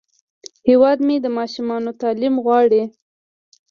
هیواد مې د ماشومانو تعلیم غواړي